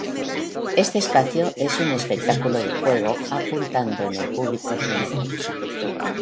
Este espacio es un espectáculo de juego apuntado en el público general.